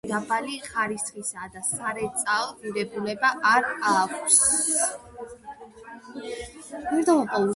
ბეწვი დაბალი ხარისხისაა და სარეწაო ღირებულება არ აქვს.